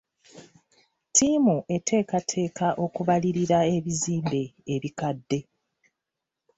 Ttiimu eteekateeka okubalirira ebizimbe ebikadde.